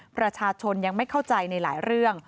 ประชาชนยังไม่เข้าใจในหลายเรื่อง